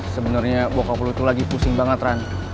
sebenernya bokap lo tuh lagi pusing banget ren